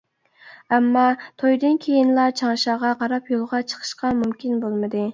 ئەمما، تويدىن كېيىنلا چاڭشاغا قاراپ يولغا چىقىشقا مۇمكىن بولمىدى.